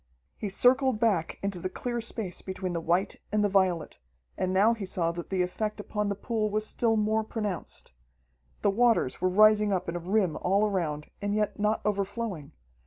He circled back into the clear space between the white and the violet, and now he saw that the effect upon the pool was still more pronounced. The waters were rising up in a rim all around, and yet not overflowing.